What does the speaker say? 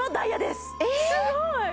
すごい！